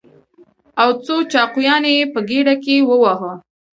او څو چاقيانې يې په ګېډه کې ووهو.